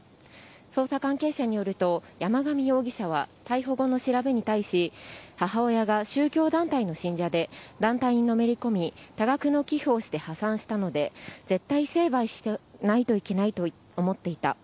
捜査関係者によると、山上容疑者は逮捕後の調べに対し、母親が宗教団体の信者で団体にのめり込み、多額の寄付をして破産したので、絶対成敗しないといけないと思っていた。